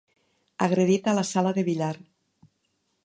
Agredit a la sala de billar.